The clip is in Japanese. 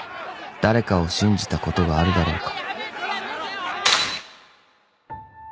［誰かを信じたことがあるだろうか］